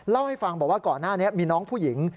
เล่าให้ฟังบอกว่าก่อนหน้านี้มีน้องผู้หญิง